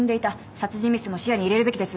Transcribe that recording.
殺人未遂も視野に入れるべきです。